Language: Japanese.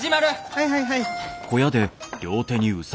はいはいはい！